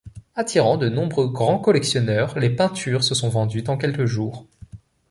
Attirant de nombreux grands collectionneurs, les peintures se sont vendues en quelques jours.